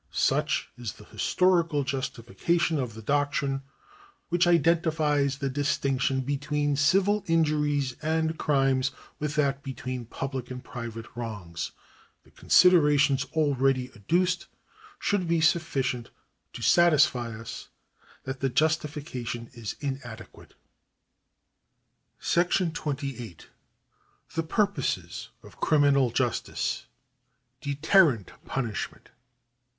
8uch is the historical justification of the doctrine which identifies the distinction between civil injuries and crimes with that between public and private wrongs. The considerations already adduced should be sufficient to satisfy us that the justification is inadequate. §28. The Purposes of Criminal Justice; Deterrent Punishment.